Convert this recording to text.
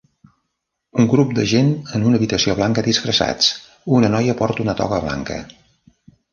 Un grup de gent en una habitació blanca disfressats, una noia porta una toga blanca.